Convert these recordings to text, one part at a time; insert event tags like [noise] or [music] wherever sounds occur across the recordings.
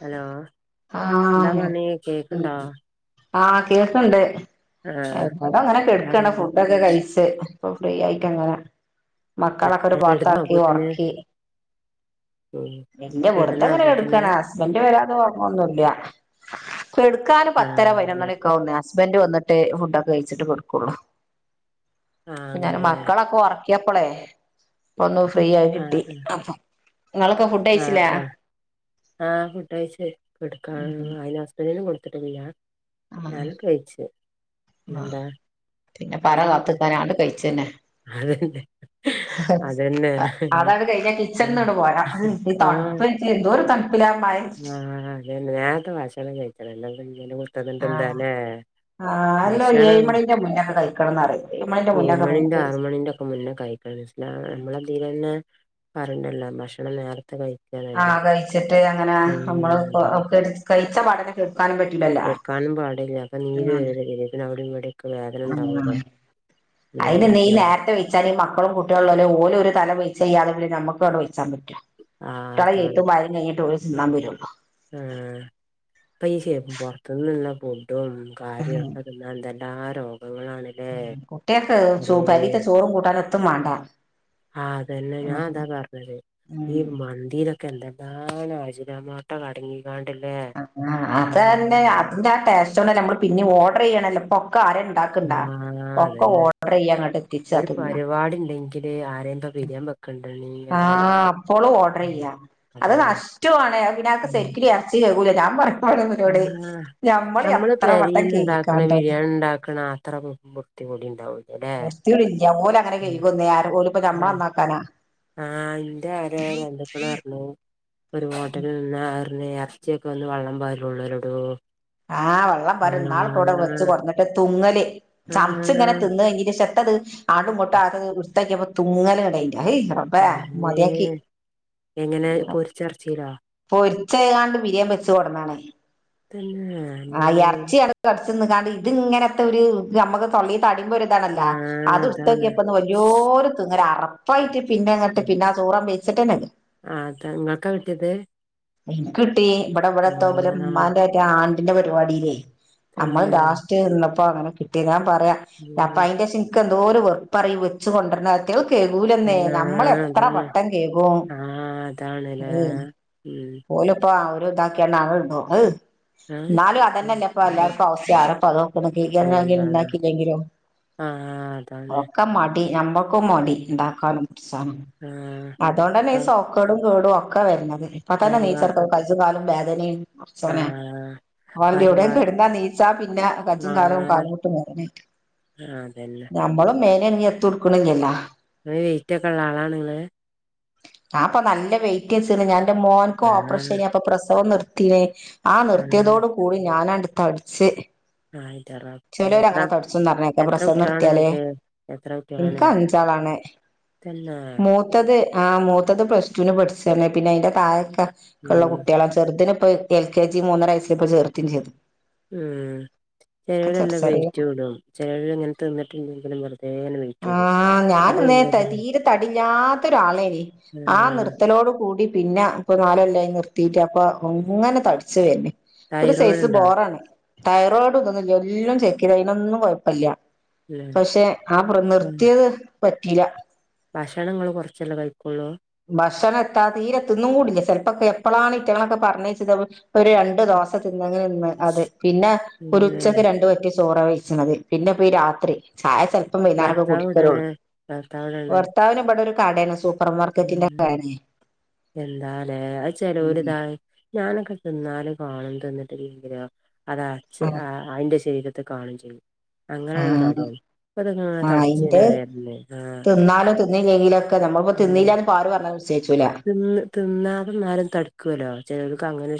Hello എന്താ ആഹ് പണി ഉം കേക്ക്ണ്ടോ ആഹ് കേക്ക്ണ്ട് ആഹ് ഇവടെ അങ്ങനെ കെട്ക്കാണ് വേറെന്താ ഫുഡൊക്കെ കഴ്ച്ച് ഇപ്പം ഫ്രീ ആയിട്ടങ്ങനെ മക്കളൊക്കെ ഒരു കെടന്നോ പാത്താക്കി അപ്പോത്തിന് ഉറക്കി ഉം ഇല്യ കെടന്നോ വെർതെങ്ങനെ കെട അപ്പോത്തിന് ക്കാണ്. ഹസ്ബന്റ് വരാതെ ഒർങ്ങൊന്നുല്ല കെട്ക്കാന് ആഹ് പത്തര അങ്ങനെ പയ്നൊന്നണിക്കാവുന്ന് ഹസ്ബന്റ് വന്ന് ട്ട് ഫുഡൊക്കെ കഴിച്ചിട്ട് കൊടുക്കുള്ളൂ ആഹ് പിന്നെ അങ്ങനെല്ലേ മക്കളൊക്കെ ഒർക്കി പ്പളെ ഒന്ന് ഫ്രീ ആയി കിട്ടി ആഹ് അപ്പോ നിങ്ങളൊക്കെ ഫുഡ് ആഹ് കയ്ച്ചില്ലേ ആഹ് ആഹ് ഫുഡയ്ച്ച് കെട്ക്കാ ഉം അയ്ന് ഹസ്ബൻഡിന് കൊടുത്തിട്ടില്ല ആഹ് ഞാനും കഴിച്ച് ആഹ് പിന്നെന്താ പിന്നെ പറ വേറെന്ത്‌ കാത്ത്ക്കാനാണ്ട് കഴിച്ചന്നെ അതെ അതെ അതാണ് കഴിഞ്ഞ കിച്ചൺന്ന്ട്ട് പോരാ ഈ ആഹ് തൺപ്പായിട്ട് എന്തോരു തൺപ് ആഹ് അതന്നെ നേർത്തെ ഭക്ഷണം കയ്ച്ചണം എല്ലാ ഇങ്ങനെ കുത്തർന്ന്ട്ട് ആഹ് എന്താലെ ആഹ് അല്ല ഏഴ് ഭക്ഷണം മണിന്റെ മുന്നൊക്കെ കഴിക്കണംന്ന് പറയും മണിന്റെ ഏഴ് മുന്നൊക്കെ മണിന്റെ നമുക്ക് ആറ് മണിന്റൊക്കെ മുന്നെ കഴിക്കണം ഇസ്ലാമില് നമ്മളെതിലന്നെ പറീണ്ടല്ലോ ഭക്ഷണം നേരത്തെ കഴിക്കണംന്ന് ആഹ് കഴിച്ചിട്ട് അങ്ങനെ നമ്മള് ഒപ്പം കഴിച്ച പാടന്നെ കെട്ക്ക കെട്ക്കാനും പാടില്ല അപ്പം നീര് വരും പി ശാരീരത്തില് അവിടിം വടിം ആ അയ്ന് എന്തോര് ന്ന് ഈ നേരത്തെ വെയ്ച്ചാലെ മക്കളും കുട്ടികളുംല്ല ഓല് ഒരു തല വയ് ചെയ്യാതെ പിന്നെ നമുക്ക് അവിടെ വെയ്യ്ച്ചാമ്പറ്റോ ആഹ് കുട്ടികളെ എയ്ത്തും വായനിം കഴിഞ്ഞിട്ടെ ഓല് തിന്നാൻ വരുള്ളൂ ആഹ പ്പ ഈ പൊർത്ത്ന്ന്ള്ള ഫുഡും കാര്യവും ഒക്കെ തിന്നാന്തന്നെ താരോ കുട്ട്യേക്ക് പെരീത്തെ ചോറും കൂട്ടാനും എത്തും മാണ്ട ആ അതന്നെ ഞാൻ അതാ പറഞ്ഞത് ഈ ഉം മന്തിയിലൊക്കെ എന്തെലാ നാണ് അജ്നാമോട്ടെ അടങ്ങി അത് തന്നെ അതിന്റെ ആ ടേസ്റ്റോൺടെന്നെ നമ്മള് പിന്നെ ഓർഡർ ചെയ്യണല്ലോപ്പൊ ക്ക ആരെ ണ്ടാക്ക്ണ്ടാ ആഹ് ഒക്കെ അതന്നെ ഓഡർ ചെയ്യാ ഇങ്ങട്ട് എത്തിച്ച തിന്ന ബിരിയാൻ വെക്കണ്ടയ് ആഹ് അപ്പൊളും ഓർഡർ ചെയ്യ അത് അതന്നെ നഷ്ടമാണ് പിനത്ത് സെരിക്കിനും ഇറച്ചി വേകൂല ആ നമ്മള് എത്ര വട്ടം പരിൽ ഉണ്ടാക്കണ കെയ്കിക്കാണ്ടാണ് ബിരിയാണി ഉണ്ടാക്കണ അത്ര ബുദ്ധിമുട്ട് കൂടി ഉണ്ടാവോ വൃത്തിയൊന്നുല്ല ഓല് അങ്ങനെ കഴ്കൊന്നൂല്യ ഓര്പ്പോ നമ്മള നന്നാക്കാനാ ആഹ ഇന്റെ ആരോ ബന്ധുക്കൾ പറഞ്ഞു ഒരു ഹോട്ടലിൽ നിന്ന് അറിഞ് ഇറച്ചിയൊക്കെ ഒന്ന് വെള്ളം പരോള്ളോലെഡോ ആ വെള്ളം പാരോള്ളു ന്നാൾ പ്പോ വെച്ച് കൊട്ന്നിട്ട് തുങ്ങല് ചമ്ച്ച് ങ്ങനെ ആഹ് തിന്ന് കഴിഞ്ഞിന്റെ ശേഷം ത്തത് ആടുംങ്ങാട്ടും വൃത്യാക്കെപ്പോ തുമങ്ങല് അയ് ന്റെറബ്ബേ അമ്മേ മതാക്കി എങ്ങനെ പൊരിച്ചെറച്ചീലോ പോരിച്ച ച്ചാണ്ട് ബിരിയാണ് വെച്ച് കൊടന്നാണ് തന്നെ ആ അമ്മേ ഇറച്ചിടുത്ത് കടിച്ച് തിന്നാണ്ട് ഇത് ഇങ്ങനത്തെ ഒരു നമ്മുക്ക് തൊള്ളില് തടിമ്പോ ഒരിതണല്ല ആഹ് അതാണ് അത്ടുത്തോക്യപ്പോണ്ട് വല്യൊരു തുങ്ങൽ അറപ്പായിട്ട് പിന്നെങ്ങട്ട് പിന്നെ ചോറ് വേയ്ച്ചിട്ടന്നെല്ല ആ ത് ങ്ങക്കാ കിട്ടിയത് ഇൻകിട്ടി ഇവിടെ ഇവിടെ ത്തോ ആഹ് ഉമ്മാന്റെ ആണ്ടിന്റെ പരിപാടിലെയ് നമ്മൾ തന്നെ ലാസ്റ്റ് തിന്നപ്പോ അങ്ങനെ കിട്ടി ഞാൻ പറയാം അപ്പ ഉം അയിന്റെശ ന്ക്ക് എന്തോരു വേർപാറിയോ ഈ വെച്ച് കൊണ്ടര്നോക്കെ കെക്കൂലെന്നെ അല്ലാ നമ്മൾ എത്ര അതാണ് വട്ടം കെക്കും ആ അതാണ്ലേ ഉം ഒൽ പ്പോ ആ ഒരു താക്കിയാണ്ട് ഇടും ആഹ്ഹ് ആ നാലും അതന്നെപ്പ പിന്നെ എല്ലർക്കും ആഹുഹ്സ്യം ആരപ്പതോക്കുണ് ബിരെണി പിന്നെന്താ ഉണ്ടാക്കില്ലെങ്കിലോ ആ അതാണ് ഒക്കെ മടി നമ്മക് ഒക്ക മടി ഉം ഉണ്ടാക്കാനും പുട്ച്ചാനും ആ അതുകൊണ്ടന്നെ ആ ഈ സോക്കടും കേടും ഒക്കെ വര്ണത് പ്പതന്നെ നീച്ചട്ക്കന് ഈ കജ്ജും കാലും വേദനിം ആഹ ആടീ എവിടെയും കെടുന്നാ നീച്ചാ പിന്നെ ആ കജും കാലവും കാല്മുട്ടും വേദനായിട്ട് വെഴാ ആ അതന്നെ മേനനങ്ങി എത്തും ഇട്ക്ക്ണില്ലല്ലോ അത് വെയിറ്റ് ഒക്കെ ഉള്ള ആളാണ് നിങ്ങള് ആ അപ്പ നല്ല വെയ്റ്റച്ച്ന്ന് ഞാൻ എന്റെ ആ മോൻകോപ്പറേഷന അപ്പൊ പ്രസവം നി ത്തിയെ ആ ത്തിയതോട് കൂടി ഞാൻ ആൻഡ് തടിച്ച് ആയിന്റെ റബ്ബേ ചെലര് എത്ര അങ്ങനെ തുടച്ചന്ന് [unintelligible] ക്കെ എത്ര പ്രസവം കുട്ട്യാളാണ് നിർത്തിയാലേ ഇങ്ങക്ക് എത്ര കുട്ട്യാളാണ് ഇനിക് തന്നെ മൂത്തത് ആ അത്തത് പ്ലസടുന് പഠിച്ചന് പിന്നെ അതിന്റെ തായൊക്ക ഉള്ള ഉം കുട്ടികളാണ് ചെറുതിന് ഇപ്പൊ എൽ കെ ജി മൂന്നരയസ്സൽ ഇപ്പോ ചേർതെയം ചെയ്തു ഉ ഒക്കെ ചെറു ചിലവല്ലാം ചെറിയ വെറ്റ് കടും ചിലൾ ഇങ്ങനെ തിന്നിട്ടുണ്ടെങ്കിലും വെറുതേനെ ആ ഞാനന്ന തീരെ തടിലാത്ത ഒരാളേയ്യന്ന് ആ ആഹ് നിർത്തലോട് കൂടി പിന്നെ ഇപ്പൊ നാലകൊല്ലായി നിർത്തിയിട്ട് അപ്പൊ അങ്ങനെ തടിച്ചു വരണ് ഒരു തൈറോയ്ഡ് സൈസ് ഇണ്ടോ ബോറാണ് തൈറോയിഡ് ഇതന്നില്ല എല്ലാം ചേക്ക [unintelligible] കുഴപ്പില്ല ഉം പക്ഷെ ആ നിർത്തിയത് പറ്റില്ല ഭാക്ഷണ [unintelligible] കുറച്ചെല്ലാം കഴിക്കൊുള്ളൂ ഭക്ഷണം എത്താ തീരെ തിന്നുടില്ല ചിലപ്പോക്കെ എപ്പള്ളാണ് ഇറ്റങ്ങളൊക്കെ പറഞ്ഞച്ച ഒരു രണ്ട് ദോസ തിന്നെങ്കിൽ തിന്ന് അത് പിന്നെ ഒരു പിന്നെ ഉച്ചക്ക് രണ്ട് വറ്റ് ചോറ [unintelligible] പിന്നെ പോ ഈ രാത്രി ആയ ചെപ്പം വൈന്നാറൊക്കെ ഭർത്താവ് എവിടാണ് കുടികളൊള്ളൂ ഭർത്താവ് എവിടാണ് ഭർത്താവിന് ഇവിടെ ഒരു കാട സൂപ്പർ ഉം മാർക്കറ്റിന്റെണെ [unintelligible] എന്താലേ അ ചലോര് താ ഞാനൊക്കെ തിന്നാലും കാണും [unintelligible] [unintelligible] അതിന്റെ ശരീരത്തെ കാണും ചെയ്യും ആ അങ്ങനെള്ള തടിയാണ് ഇപ്പ ഇതിങ്ങനെ ആ തടിച്ചിങ്ങനെ അയിന്റെ വെര്ണ് ആഹ് തിന്നാലും തിന്നില്ലെലൊക്കെ നമ്മ [unintelligible] ഉം തിന്നില്ലന്ന് പാറു പറഞ്ഞു തിന്ന് തിന്നാ [unintelligible] തടുക്കുവേലൊ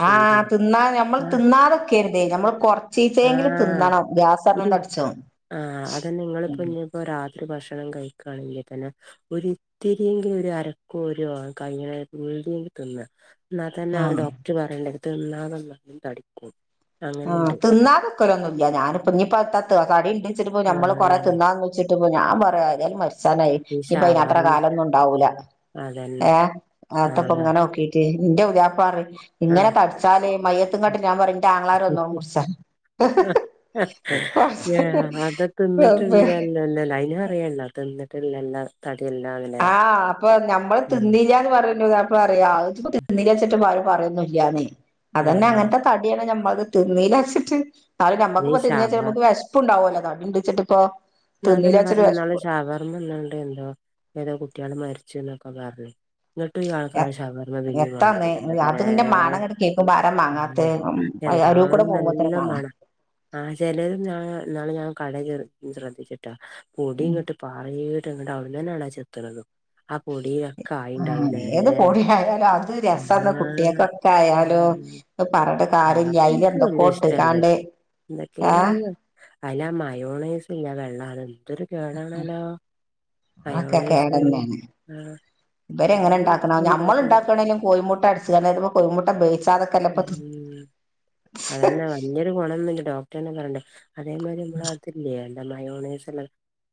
ആഹ തിന്നാ ഞമ്മള് ആഹ് തിന്നാതെക്കര്ത് ഞമ്മള് കൊറച്ചീച്ചേങ്കിലും തിന്നണം ഗ്യ ആസരണം തടിച്ചും ആ അതന്നെ ഇങ്ങളിപ്പോന്നിപ്പോ രാ ത്രി ഭക്ഷണം കഴിക്കാണെങ്കി തന്നെ ഒരിത്തിരിയെങ്കിലൊരു അരക്കോരു കയ്യണേ [unintelligible] തിന്ന ഇന്നാതന്നെ ആഹ് ഡോക്ടർ പറയണ്ടേത് തിന്നാതെന്നാലും തടിക്കും ആ അങ്ങനെയുണ്ട് തിന്നാതെക്കലൊന്നുല്ല്യ ഞാന്പ്പനിപ്പ [unintelligible] തടിണ്ട്ച്ചിട്ട്പ്പൊ ഞമ്മള് കൊറെ ആഹ് തിന്നാന്ന് വെച്ചി ട്ട്പ്പോ ഞാൻ പറയാ ഏതായാലും മരിച്ചാനായി ഈ ഇനിപ്പയ്ന് അത്ര ഷവർമ കാലൊന്നോണ്ടാവൂല അതന്നെ ഏ ആഹ് ആത്തപൊങ്ങനെ നോക്കീട്ട് ന്റെ പുദ്യാപ്പറിയും ഇങ്ങനെ ആഹ് തടിച്ചാല് മയ്യത്തും കട്ടില് ഞാൻ പറയു ൻ്റാങ്ങളാരൊന്നും മുറിച്ച ഞാ അതൊക്കെ ന്ന്ട്ടില്ലല്ലോല്ലോലെ അയിനു അറിയല്ലാ തിന്നിട്ട് ല്ലല്ലെല്ലാട് ആ അപ്പൊ ഞമ്മള് ഉം തിന്നീല്ല്യ പറ [unintelligible] പറിയ ജിപ്പൊ തിന്ന്ല്ല്യേച്ചിട്ട്പ്പൊ ആരു പറയൊന്നുല്ല്യാന്നെ അതന്നെ ആഹ് അങ്ങനത്തെ തടിയാണ് ഞമ്മ മത് തിന്നീല്യാച്ചിട്ട് അത് ഈ ഞമ്മക്ക്പ്പോ ഷവ തിന്നെച്ച മ്മക്ക് വെഷ്പ്പുണ്ടാവല്ലോ തടിണ്ട്ച്ചിട്ട്പ്പൊ. ഞാൻ തന്നെ പറഞ്ഞുന്നാളെ ഷവർമ്മന്നാണ്ടെന്തോ ഏതോ കുട്ട്യേള് മരിച്ച്ന്നൊക്കെ പറഞ്ഞ് ന്നിട്ടു ഈ എ ആൾക്കാര് ശവർമ്മ പിന്നിം വാങ്ങി എത്താന്ന് തിന്നന്നെ അതിന്റെ മണങ്ങട്ട് കേക്കുമ്പോ ആരാ മാങ്ങാത്തെ [unintelligible] എന്താണ് അരൂക്കൂടെ നല്ല പോകുമ്പോത്തിന് മാണാ മണാ ആ ചെലൊര് ഞാ ഇന്നാള് ഞാൻ കട ശ്രദ്ധിച്ചിട്ടാ പൊടിങ്ങട്ട് പാറീട്ട് ന്നിട്ട് അവട്ന്നൊണ് ആ ചെത്ത്ണതും ആ പൊടി ആ ഏത് പൊടിയായാലും അത് രസാന്ന് ആഹ് കുട്ടിയെക്കൊക്കായാലു [unintelligible] ആ ഇന്ക്ക് വല്ല്യ ഇഷ്ടല്ല്യേ എന്തൊക്കെ ഏഹ് അയ്ലാ മയോണേയ്സില്ലെ വെള്ളാ ന്തൊരു കേടാണേലൊ അതൊക്കെ മയോണയ്സ് കേടന്നെയാണ് ഇവരെങ്ങനെ ഉണ്ടാക്കണ ഞമ്മളുണ്ടാക്കണേലും കോഴമുട്ട അടിച്ചേണ് കോഴമുട്ട വേവി അതന്നെ വല്ല്യൊരു കൊണോന്നൂല്ല ഡോക്ടറെന്നെ പറഞ്ഞണ് അതേമാരി മ്മളെ ആതില്ല്യേ മയോണേഴ്സിള്ളെ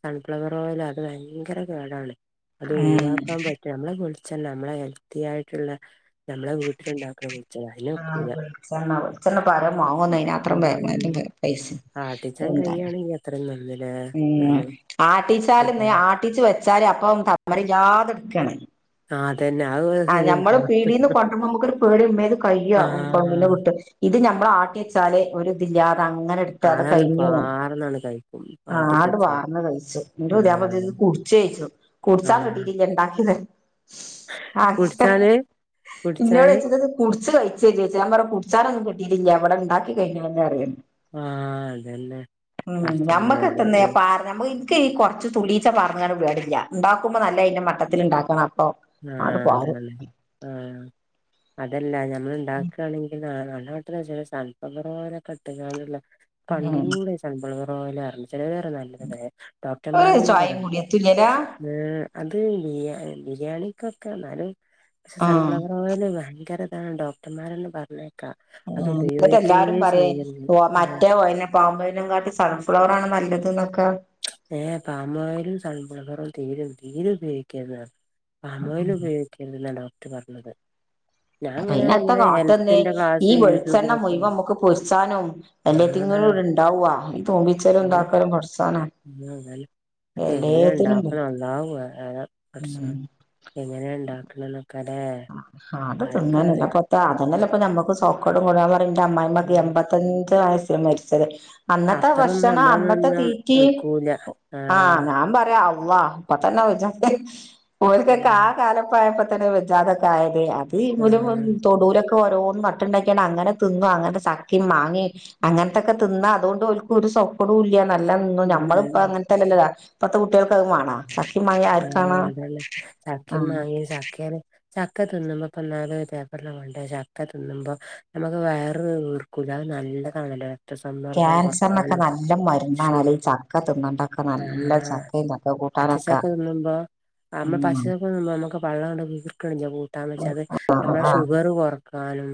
സൺഫ്ലവറോയലാ അത് വയ്ങ്കര കേടാണ് അത് ഉം ഒഴിവാക്കാൻ പറ്റും നമ്മ്ളെ അച്ചൻ നമ്മളെ ഹെൽത്തി ആയിട്ടുള്ള നമ്മളെ വീട്ടിലുണ്ടാക്കണെ ആ വെളിച്ചെണ്ണ വെളിച്ചെണ്ണപ്പം ആരേവാങ്ങോന്നെ അയിനാത്രം ഉം വെലല്ലെ പൈസ ആട്ടിച്ചാൻ എന്താ കയ്യാണെ ഇനി അത്രം നന്ന് ഉം ആട്ടിച്ചാല്ന്ന് ആട്ടിച്ചു വെച്ചാല് അപ്പൊ തമ്മറിക്കാതെട്ക്കാണ് ആഹ് അതന്നെ അത് ആ ഞമ്മള് ശരിയാണ് പീടീന്ന് കൊണ്ടോര്മ്പം മ്മക്കൊരു പേടി ഉമ്മേത് കയാ [unintelligible] ആഹ് വിട്ട് ഇത് ഞമ്മള് ആട്ടി വെച്ചാല് ഒരിതില്ലാതെ അങ്ങനെ ഇട്ത്ത് അത് അതാണ് കഴിഞ്ഞു പാർന്നാണ് കഴിക്കും ആണ്ട് ആട്ടിച്ചെച്ചാ വാർന്ന് കഴിച്ച് ഇന്റെുതെ ആഹ് പോലെത്തിത് കുടിച്ചേക്കു കുടിച്ചാ ആഹ് കിട്ടിട്ടില്ല ഉണ്ടാ ക്ക്ണ് ആക്കിട്ടെ കുടിച്ചാല് ഇന്നോട് കുടിച്ചാല് വെച്ചിത് കുടിച്ച് കഴിച്ചോജി ചോയ്ച്ച് ഞാൻ പറഞ്ഞ് കുടിച്ചാനൊന്നു കിട്ടിട്ടില്ല ഇവ്ടെണ്ടാക്കി കഴിഞ്ഞ്ണ്റിയ ആ അതന്നെ പടചോനെ [unintelligible] [inaudible] ഇന്ക്ക് ഈ കൊർച്ച് തുള്ളീച്ചെ പാറന്ന്കാണ്ട് പരിപാടില്ല്യ ഉണ്ടാക്കുമ്പോ നല്ല അതിന്റെ മട്ടത്തില് ഉണ്ടാക്കണം അപ്പൊ ആ ആട് പാറും അതാണ് ആ അതല്ല ഞമ്മള് ഇണ്ടാക്കാണെങ്കില് ആ നമ്മടെ വീട്ടില ചെറിയ സൺഫ്ലവറോയിലൊക്കെ ഇട്ട്ക്കാണ്ട്ള്ളേ ഉം [unintelligible] ഓലാണ് ചെലോരറും നല്ലതന്ന് ഒരു ഡോക്ടർമാരെന്നെ ചായയും പറണ്ട് കൂടി എത്തൂലരാ [unintelligible] അത് ബിയാ ബിരിയാണിക്കൊക്കെന്നാലും പക്ഷെ ആഹ് സൺഫ്ലവറോയില് ഭയങ്കര ആ ഡോക്ടർമാരാണ് പറഞ്ഞെ ആ ന്നിട്ട് എല്ലാരും പറയേ ചെയ്യരുത് ഓ ആഹ് മറ്റേ ഓയില്നെ പാമ്പോയ്ല്നെ കാട്ട് സൺഫ്ലവറാണ് നല്ല ത് നൊക്കെ ഏ പാമോയിലും സൺഫ്ളവറും തീരും തീര ഉപയോഗിക്കില്ല പാം ഓയില് ഉപയോഗിക്കരുന്നെന്ന ഡോക്ടർ പറഞ്ഞത് ഞാൻ ഇങ്ങനെ പിന്നെത്തെ ഇങ്ങനെ കാട്ടന്നെ ഹെൽത്തിന്റെ ഈ ക്ലാസ് വെളിച്ചെണ്ണ യൂട്യൂബിലൊക്കെ മുഴവ് നമുക്ക് പൊരിച്ചാനും അല്ല ആഹ് ഉണ്ടാവുവാ ഈ തോന്നിച്ചന്താക്കാലും കുറച്ച് അങ്ങക്കെ എങ്ങനെ എല്ലാത്തിനും ഉണ്ടാക്കണ്ടാവുന്നത് ഉം എങ്ങനെയ ഉണ്ടാക്കണന്നൊക്കെ ആ അത് തിന്നല്ല പൊത്ത ഉം അതന്നല്ല ഇപ്പ നമ്മുക്ക് സോക്കോട് കൂടല എന്റെ അമ്മായിമ്മക്ക് ഉം എമ്പത്തഞ്ച് വയസ്സിൽ മരിച്ചത് അന്നത്തെ അത്രൊന്നും ഭക്ഷണം അന്നത്തെ നമ്മളൊന്നും തീറ്റി നിക്കൂല ആഹ് ഞാൻ പറയാം അ അപ്പൊ തന്നെ വ ഓൽക്കൊക്കെ ആ ആഹ് കാലപ്പായപ്പോ തന്നെ വിജാതൊക്കെ ആയത് അത്ലം ആഹ് തൊടൂലൊ ഒരോന്ന് നട്ട്ണ്ടാക്കിയാണ്ട് അങ്ങനെ തിന്നും അങ്ങനെ ചക്കിം മാങ്ങിം അങ്ങത്തെക്കെ തിന്നാ അതൊട് ഓൽക്ക് ഒ സ്വക്കടും ഇല്ല നല്ലന്നും ഉം നമ്മൾഇപ്പ ഉം അങ്ങനത്തെല്ല പത്തെ കുട്ടേൾക്ക്ൾക്കത് വാണ ആ ആ അതന്നെചക്കിം ആഹ് മാങ്ങിം ചാക്കിയല് ചക്ക തിന്ന് മ്പോ ഇപ്പൊ നാല് [unintelligible] ണ്ട ചക്ക തിന്നുമ്പോ നമുക്ക് വയറ് വീർക്കൂല നല്ല കണല ക്യാൻസർ നൊക്കെ നല്ല മരുന്നാണ് ചക്ക തിന്നണ്ടൊക്കെ നല്ല ചക്കയിന്നൊക്കെ കൂട്ടാനക്ക തിന്നു ബോ അ [unintelligible] ന്താന്ന് വെച്ചാ അത് നമ്മടെ ആഹ് ഷുഗർ കൊറക്കാനും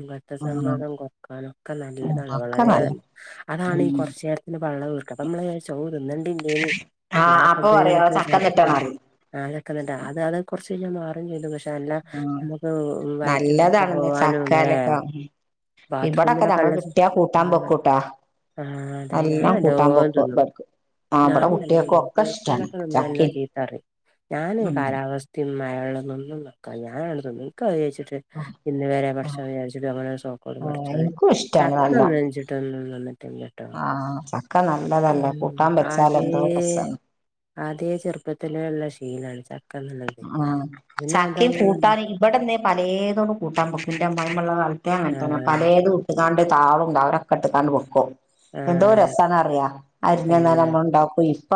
ഉം രക്‌തസമ്മർദം കൊറക്കാനും ഒക്കെ ഉം നല്ലതാണ് വള ഒക്കെ നല്ല [unintelligible] അതാണ് ഈ ഉം കൊറച്ച് യേരത്തിൻ പള്ള വീർക്ക അപ്പമ്മൾ വിചാരിച്ചു ഔ തിന്നെടി നി ആഹ് അപ്പൊ അതെ പറയാ നൊകേ ചക്ക തിന്നിട്ടാണറി വിചാരിക്കുംഅതൊക്കെ തന്നെ അത് അത് കുറച്ച് കഴിഞ്ഞാൽമാറും ചെയ്തു പക് എല്ല ഉം നമുക്ക് വയറ്റ്ന്നൊക്കെ നല്ലതാണെന്ന് പോവാനും ലെ ചക്കാലൊക്കെ ഇവിടൊക്കെ ബാത്ത്റൂമില ഞങ്ങള് കിട്ടിയാ കൂട്ടാൻ [unintelligible] വെക്കൂട്ടാ ആ അതേ ഞാൻ കൂട്ടാൻ എല്ലാം വെക്കും തിന്നും ഇവർക്ക് ആഹ് ഞാൻ ഇവിടെ നല്ല കുട്ടികൾക്കും തിന്നും ഒക്കെ പൗത്ത ഇഷ്ടാണ് ചക്ക തിന്നാൽ ഇന്നേ ചക്കിം ചീത്തറിം ഞാൻ ഉം കാലാവസ്ഥിം മഴ വെള്ളം കൊണ്ടും വക്ക ഞാൻ അൺ തിന്നുംഇക്ക് അത് വിചാരിച്ചിട്ട് ഇന്ന് വരേ പടച്ചോൻ വിചാരിച്ചിട്ട് അങ്ങനെ ഒരു സോ ഓ ആഹ് പടച്ചോനേ എനിക്കും ഇഷ്ടാണ് ചക്ക നല്ലോം തിന്ന്ച്ച്‌ട് ഒന്നും ഇല്ല ട്ടോ ആഹ് ചക്ക നല്ലതല്ലേ കൂട്ടാൻ [unintelligible] ആ വെച്ചാൽ ദേ എന്തോ രസാ അതെ ചെറുപ്പത്തിലേള്ള ശീലാണ് ചക്ക തിന്നണത് ആ പിന്നെ ചക്കിം അതങ്ങനെ കൂട്ടാനും ഇവടെന്റെ പലേതോടും കൂട്ടാം വക്കും ന്റഅമ്മായിമ്മ ഇള്ള കാല ഇവടിംഅങ്ങൻതന്നെ ആഹ് പലേത് ഇട്ടുകാണ്ട് താളും തവരിം ഒക്കെഇട്ട്ക്കാണ്ട് വെക്കും എന്തോ ആഹ് രസാന്ന അറിയ അരിഞ്ഞ ന്നാ തന്നെ നമ്മൾണ്ടാ കൈ ഇപ്പ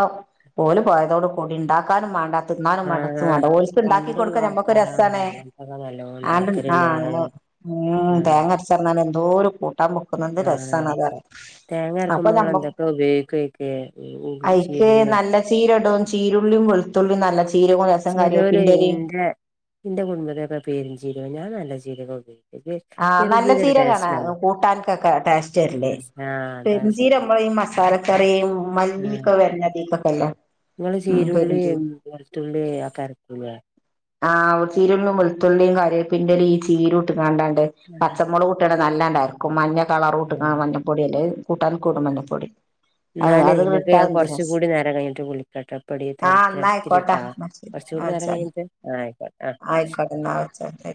ഓല് പോയതോട് കൂടി ഇണ്ടാക്കാനും വാണ്ട തിന്നാനും വാണ്ട ആഹ് വാണ്ട ഓൽക്ക് ഇണ്ടാക്കി പണ്ടുള്ള കൊടുക്ക നമ്മക്ക് ഒരു രസാൺ ആൾക്കാരാണല്ലോ അങ്ങനത്തൊക്കെ നല്ലോണം ആണ്ട് ആ ഉണ്ടാക്കലില്ലേ [unintelligible] ആഹ് തേങ്ങ അരച്ചന്നാൽ എന്തോരു കൂട്ടാൻ വെക്കുന്ന എന്ത് ആഹ് രസാനറിയാ തേങ്ങ അപ്പൊ അരക്കുമ്പോ ഇങ്ങള് നമ്മം എന്തൊക്കെ ഉപയോഗിക്കുവയ്ക്ക് അഐക്ക് ചീരുള്ളിയാ നല്ല ചീര ഇടും ചീരുള്ളിം വളുത്തുള്ളിം നല്ല ചീരകും ചലോര് ന്റെ ന്റെ കുടുംബത്തിലൊക്കേ പെരും ജീരകം ഞാൻ നല്ല ചീരക ഉപയോ ആ നല്ല ചിരകാൺ കൂട്ടാൻക്കൊക്കെ ടേസ്റ്റ് തെര്ല് ആഹ് അതാ ശരി പെരിഞ്ചിരം മ്മൾ ഈ മസാലക്കറി മല്ലിക്കെ വരുന്നതിക്കെ ങ്ങള് ചീരുള്ളിം വെളുത്തുള്ളിം ഒക്കെ അരക്കു ലൈ ആ ചീരും വളുത്തുള്ളി കറേപ്പിന്റ ലിം ഈ ചീരും ട്ട്ങ്ങാടണ്ട് പച്ചമുളക് ട്ട് നല്ലാണ്ടരക്കും മഞ്ഞ കളറുട്ട് ആഹ് കാമഞ്ഞപ്പൊടി എല്ലേ കൂട്ടാൻക്കും ഇടും മഞ പൊടി ന്നാല് ങ്ങക്ക് ഞാൻ കൊറച്ച്‌കൂടി നേരം കഴിഞ്ഞിട്ട് വിളിക്കട്ടോ ഇപ്പടി ആഹ് തെരക്കിലാ ഇന്നാ ആയിക്കോട്ടെ ഇത്തിരിട്ടാ ഇന്നാ ശരി ചൂട് ആഹ് നേരം വെച്ചാളി കഴിഞ്ഞിട്ട് ആ അയിക്കോ ആ ആയിക്കോട്ടെ ഇന്നാ വെച്ചാളി